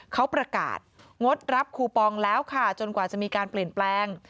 เขาประกาศงดรับคูปองแล้วค่ะจนกว่าจะมีการเปลี่ยนแปลง